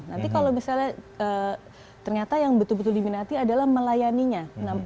nanti kalau misalnya ternyata yang betul betul diminati adalah melayaninya